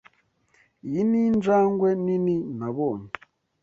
Iyi ninjangwe nini nabonye.